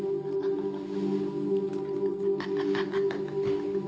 ハハハハ。